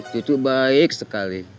su tu baik sekali